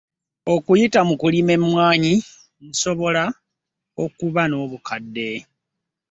Okuyita mu kulima emmwaanyi nsobola okuba n'obukadde